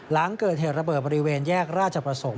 หลังเกิดเหตุระเบิดบริเวณแยกราชประสงค์